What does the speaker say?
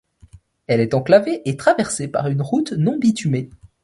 Elle est enclavée et traversée par une route non bitumée.